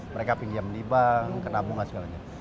mereka pinjam di bank ke nabungan segalanya